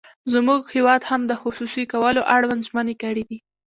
زموږ هېواد هم د خصوصي کولو اړوند ژمنې کړې دي.